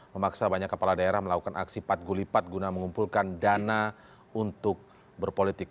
memaksa banyak kepala daerah melakukan aksi patgulipat guna mengumpulkan dana untuk berpolitik